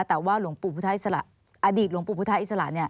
แต่ว่าหลวงปู่พุทธอิสระอดีตหลวงปู่พุทธอิสระ